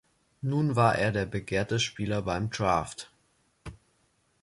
Nun war er der begehrte Spieler beim Draft.